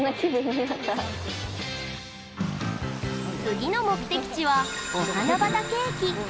次の目的地は御花畑駅。